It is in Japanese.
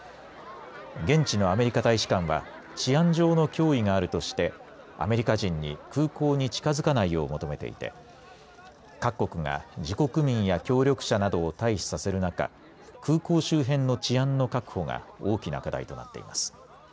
現地のアメリカ大使館は治安上の脅威があるとしてアメリカ人に空港に近づかないよう求めていて各国が自国民や協力者などを退避させる中空港周辺の治安の確保が大きな課題となっています。